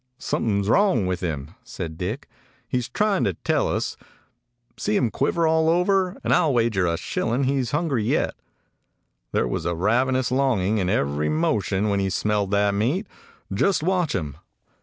"Something 's wrong with him," said Dick. "He 's trying to tell us. See him quiver all over; and I 'll wager a shilling he's hungry yet. There was a ravenous longing in every motion when he smelled that meat. Just watch him!"